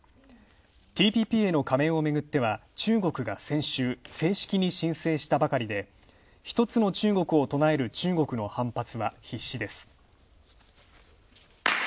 ＴＰＰへの加盟をめぐっては中国が先週、正式に申請したばかりで一つの中国を唱える中国の反発は必至です。